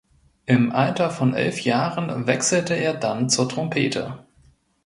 Im Alter von elf Jahren wechselte er dann zur Trompete.